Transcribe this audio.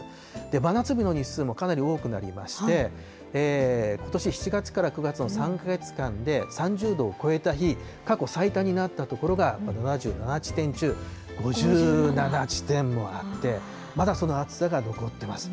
真夏日の日数もかなり多くなりまして、ことし７月から９月の３か月間で３０度を超えた日、過去最多になった所が７７地点中５７地点もあって、まだその暑さが残ってます。